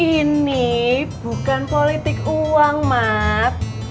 ini bukan politik uang mat